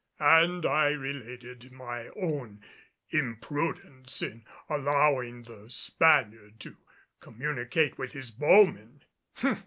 And I related my own imprudence in allowing the Spaniard to communicate with his bowmen.